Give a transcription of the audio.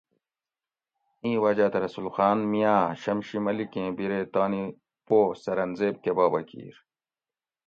اِیں وجاۤ دہ رسول خان میاۤں شمشی ملیکیں بِرے تانی پو سرنزیب کہ بابہ کیر